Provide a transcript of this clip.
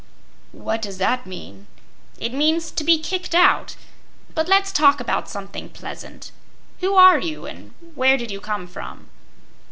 "What does that mean?" "It means to be kicked out. But let's talk about something pleasant. Who are you and where did you come from?"